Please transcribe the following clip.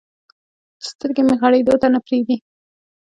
چې سترګې مې غړېدو ته نه پرېږدي.